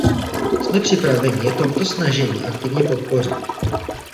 Jsme připraveni je tomto snažení aktivně podpořit.